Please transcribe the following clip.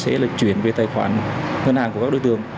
các đối tượng sẽ chuyển về tài khoản ngân hàng của các đối tượng